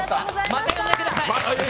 また呼んでください。